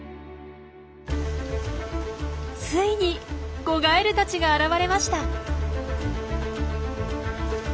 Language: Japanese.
ついに子ガエルたちが現れました！